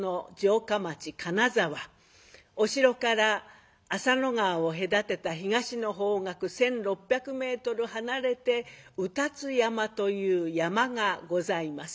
お城から浅野川を隔てた東の方角１，６００ｍ離れて卯辰山という山がございます。